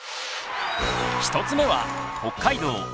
１つ目は北海道